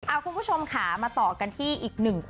อ่าคุณผู้ชมคะมาต่อกันที่อีก๑คู่